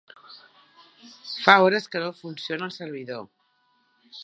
Fa hores que no funciona el servidor.